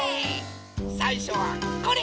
さいしょはこれ！